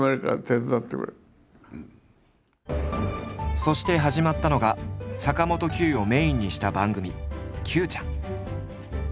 そして始まったのが坂本九をメインにした番組「九ちゃん！」。